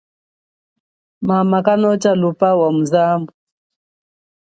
Mama kanotsha luba wa muzambu.